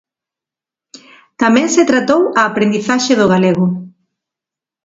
Tamén se tratou a aprendizaxe do galego.